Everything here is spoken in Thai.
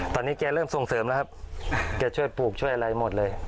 ตอนนี้แกเริ่มส่งเสริมแล้วครับแกช่วยปลูกช่วยอะไรหมดเลย